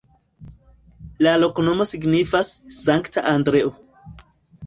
La loknomo signifas: Sankta Andreo.